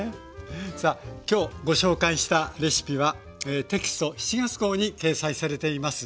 さあ今日ご紹介したレシピはテキスト７月号に掲載されています。